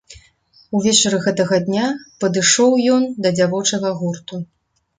Увечары гэтага дня падышоў ён да дзявочага гурту.